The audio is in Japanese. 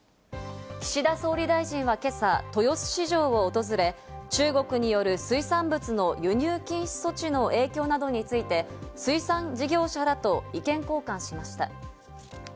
岸田総理大臣は今朝、豊洲市場を訪れ、中国による水産物の輸入禁止措置の影響などについて、水産事業者らと意見交換しました。